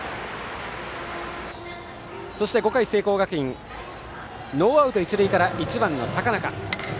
そして５回、聖光学院ノーアウト、一塁から１番の高中。